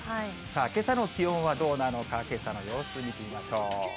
けさの気温はどうなのか、けさの様子見てみましょう。